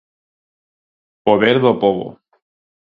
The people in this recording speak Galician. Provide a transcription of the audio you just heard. Poder do pobo.